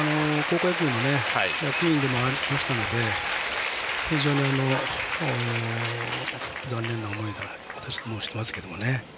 高校野球の野球部でもありましたので非常に残念な思いを私もしていますけどね。